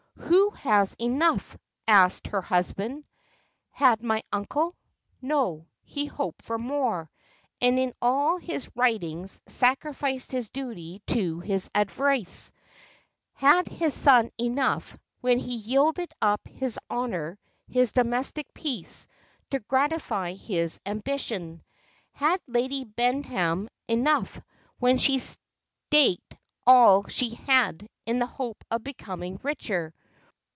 "Who has enough?" asked her husband. "Had my uncle? No: he hoped for more; and in all his writings sacrificed his duty to his avarice. Had his son enough, when he yielded up his honour, his domestic peace, to gratify his ambition? Had Lady Bendham enough, when she staked all she had, in the hope of becoming richer?